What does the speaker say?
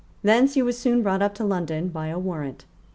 Thence he was soon brought up to London by a warrant.